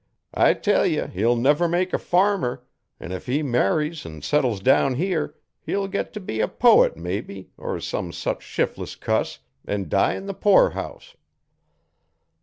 I tell ye he'll never make a farmer, an' if he marries an' settles down here he'll git t' be a poet, mebbe, er some such shif'less cuss, an' die in the poorhouse.